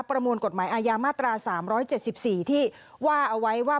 ประมวลกฎหมายอาญามาตราสามร้อยเจ็ดสิบสี่ที่ว่าเอาไว้ว่า